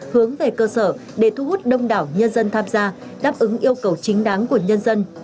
hướng về cơ sở để thu hút đông đảo nhân dân tham gia đáp ứng yêu cầu chính đáng của nhân dân